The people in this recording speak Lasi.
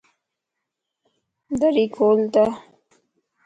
دري کول تا